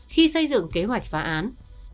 khi xây dựng kế hoạch phá án